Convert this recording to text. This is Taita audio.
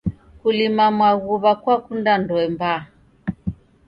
Kulima maghuw'a kwakunda ndoe mbaa.